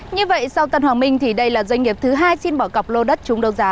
như vậy sau tân hoàng minh thì đây là doanh nghiệp thứ hai xin bỏ cọc lô đất trúng đấu giá